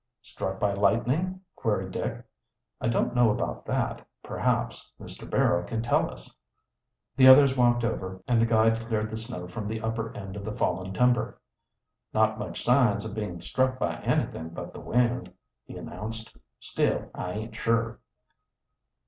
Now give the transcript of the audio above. "Struck by lightning?" queried Dick. "I don't know about that. Perhaps Mr. Barrow can tell us." The others walked over, and the guide cleared the snow from the upper end of the fallen timber. "Not much signs of being struck by anything but the wind," he announced. "Still, I aint sure."